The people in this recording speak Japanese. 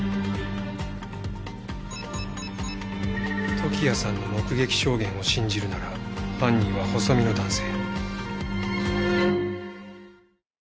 時矢さんの目撃証言を信じるなら犯人は細身の男性。